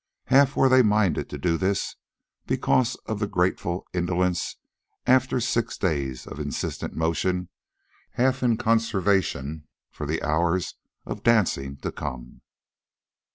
Half were they minded to do this because of the grateful indolence after six days of insistent motion, half in conservation for the hours of dancing to come.